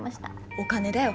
お金だよ。